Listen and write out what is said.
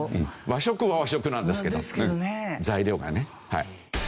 和食は和食なんですけど材料がねはい。